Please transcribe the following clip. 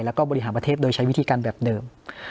แล้วก็บริหารประเทศโดยใช้วิธีการแบบเดิม